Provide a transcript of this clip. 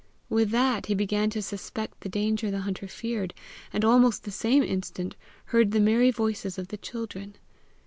With that he began to suspect the danger the hunter feared, and almost the same instant heard the merry voices of the children.